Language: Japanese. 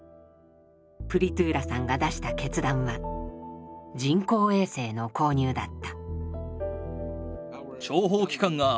プリトゥーラさんが出した決断は人工衛星の購入だった。